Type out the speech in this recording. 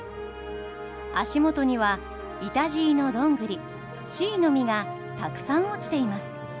足元にはイタジイのどんぐりシイの実がたくさん落ちています。